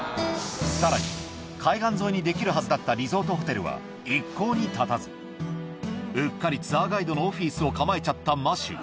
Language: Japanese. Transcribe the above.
さらに、海岸沿いに出来るはずだったリゾートホテルは、一向に建たず、うっかりツアーガイドのオフィスを構えちゃったマシュー。